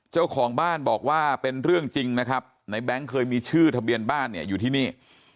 เจ้าของบ้านบอกว่าเป็นเรื่องจริงนะครับในแบงค์เคยมีชื่อทะเบียนบ้านเนี่ยอยู่ที่นี่